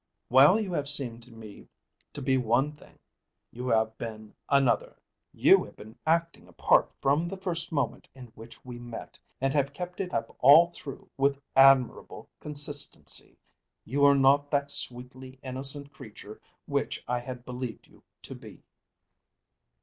While you have seemed to me to be one thing, you have been another. You have been acting a part from the first moment in which we met, and have kept it up all through with admirable consistency. You are not that sweetly innocent creature which I have believed you to be."